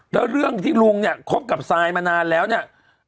แล้วเรื่องที่ลุงเนี่ยคบกับซายมานานแล้วเนี่ย